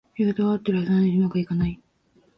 やり方はあってるはずなのに上手くいかない